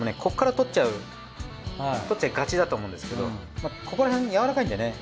取っちゃいがちだと思うんですけどここら辺やわらかいんでね。